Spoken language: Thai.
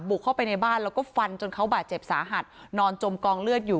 เข้าไปในบ้านแล้วก็ฟันจนเขาบาดเจ็บสาหัสนอนจมกองเลือดอยู่